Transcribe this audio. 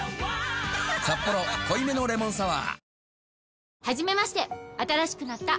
「サッポロ濃いめのレモンサワー」